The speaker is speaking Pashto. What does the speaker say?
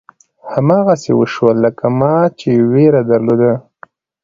هماغسې وشول لکه ما چې وېره درلوده.